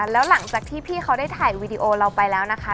แล้วหลังจากที่พี่เขาได้ถ่ายวีดีโอเราไปแล้วนะคะ